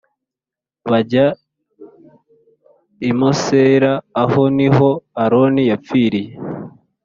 bajya i Mosera. Aho ni ho Aroni yapfiriye,